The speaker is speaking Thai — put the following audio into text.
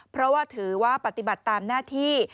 เพราะว่าถือว่าปฏิบัติตามหน้าที่